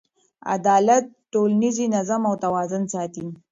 عدالت ټولنیز نظم او توازن ساتي.